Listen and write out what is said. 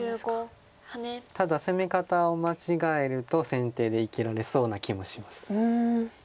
ただ攻め方を間違えると先手で生きられそうな気もします。